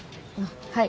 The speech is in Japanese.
はい。